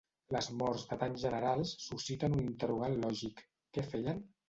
Les morts de tant generals susciten un interrogant lògic: què feien?